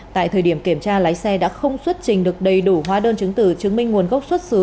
tại thời điểm kiểm tra lái xe đã không xuất trình được đầy đủ hóa đơn chứng từ chứng minh nguồn gốc xuất xứ